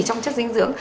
trong chất dinh dưỡng